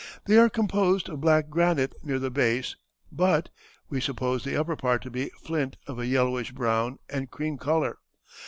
They are composed of black granite near the base, but ... we suppose the upper part to be flint of a yellowish brown and cream color.